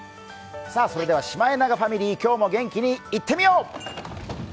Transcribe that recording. それではシマエナガファミリー、今日も元気にいってみよう！